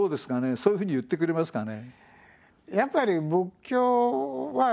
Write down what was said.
そういうふうに言ってくれますかね？